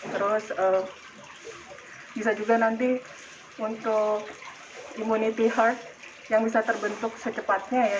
terus bisa juga nanti untuk immunity heart yang bisa terbentuk secepatnya ya